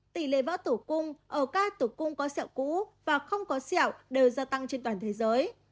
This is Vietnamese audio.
tỷ lệ vỡ tủ cung ở ca tủ cung có sẹo cũ và không có sẹo đều gia tăng trên toàn thế giới